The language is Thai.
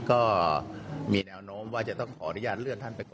ก็มีแนวโน้มว่าจะต้องขออนุญาตเลื่อนท่านไปก่อน